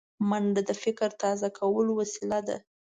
منډه د فکر تازه کولو وسیله ده